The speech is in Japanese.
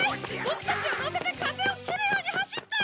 ボクたちを乗せて風を切るように走って！